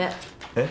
えっ！？